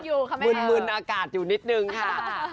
ตอนนี้กำลังมืนอากาศอยู่นิดนึงค่ะ